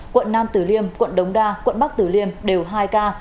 quận nam tử liêm quận đống đa quận bắc tử liêm đều hai ca